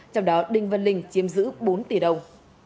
trong đó đinh văn linh chiếm giữ bốn tỷ đồng